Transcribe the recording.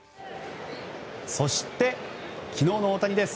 そして昨日の大谷です。